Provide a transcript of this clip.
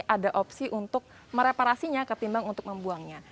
ada opsi untuk mereparasinya ketimbang untuk membuangnya